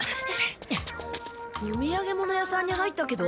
おみやげ物屋さんに入ったけど？